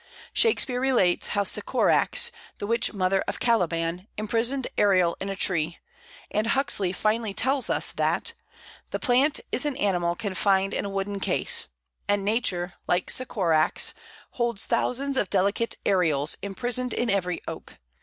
Shakespeare relates how Sycorax, the witch mother of Caliban, imprisoned Ariel in a tree; and Huxley finely tells us that "The plant is an animal confined in a wooden case; and Nature, like Sycorax, holds thousands of 'delicate Ariels' imprisoned in every oak.